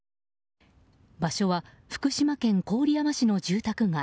場所は福島県郡山市の住宅街。